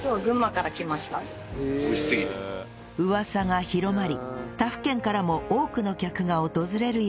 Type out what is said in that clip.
噂が広まり他府県からも多くの客が訪れるように